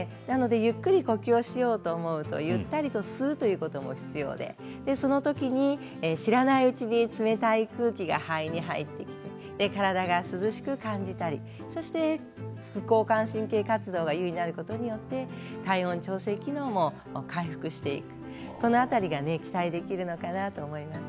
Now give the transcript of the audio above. ゆっくり呼吸をしようと思うとゆったりと吸うということも必要でその時に知らないうちに冷たい空気が肺が入ってきて体が涼しく感じたり副交感神経活動が優位になることによって体温調整機能も回復していくこの辺りが期待できるのかなと思います。